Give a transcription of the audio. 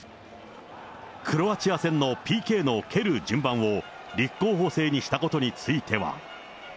クロアチア戦のＰＫの蹴る順番を、立候補制にしたことについては。